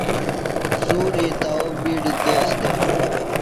سُوری تاؤ بِیڈیۡ تیز دےۡ۔